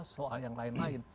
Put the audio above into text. soal yang lain